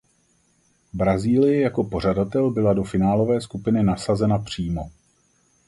Brazílie jako pořadatel byla do finálové skupiny nasazena přímo.